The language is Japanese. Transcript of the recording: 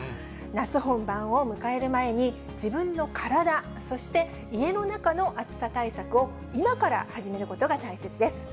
夏本番を迎える前に、自分の体、そして家の中の暑さ対策を、今から始めることが大切です。